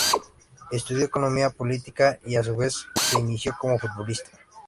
Estudió Economía Política y a su vez se inició como futbolista.